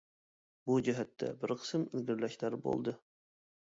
بۇ جەھەتتە بىر قىسىم ئىلگىرىلەشلەر بولدى.